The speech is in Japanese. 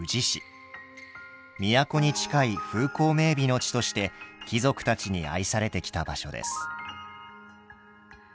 都に近い風光明美の地として貴族たちに愛されてきた場所です。